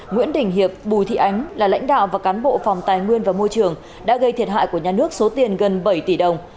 nguyễn đình hiệp bùi thị ánh là lãnh đạo và cán bộ phòng tài nguyên và môi trường đã gây thiệt hại của nhà nước số tiền gần bảy tỷ đồng